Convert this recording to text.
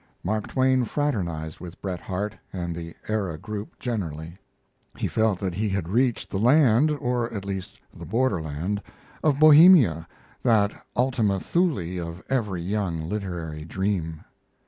Mark Twain fraternized with Bret Harte and the Era group generally. He felt that he had reached the land or at least the borderland of Bohemia, that Ultima Thule of every young literary dream.